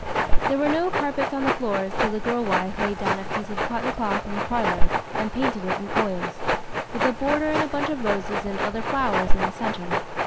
There were no carpets on the floors till the girl wife laid down a piece of cotton cloth on the parlor, and painted it in oils, with a border and a bunch of roses and others flowers in the centre.